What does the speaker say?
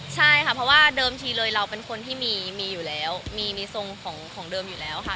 ใช่นะคะเพราะว่าเดิมทีเลยเราก็เป็นคนที่มีมีส่งของเดิมอยู่แล้วค่ะ